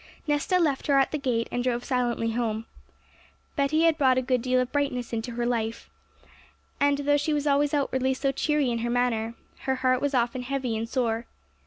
Nesta left her at the gate, and drove silently home. Betty had brought a good deal of brightness into her life; and though she was always outwardly so cheery in her manner, her heart was often heavy and sore.